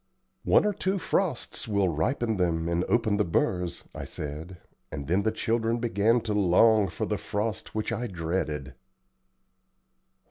"One or two frosts will ripen them and open the burrs," I said, and then the children began to long for the frost which I dreaded.